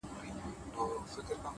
د پورې بام سر ته لمبې وختې